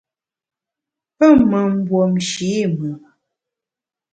Pe me mbuomshe i mùn.